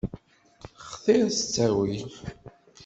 Xtiṛ s ttawil.